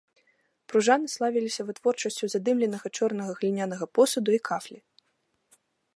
Пружаны славіліся вытворчасцю задымленага чорнага глінянага посуду і кафлі.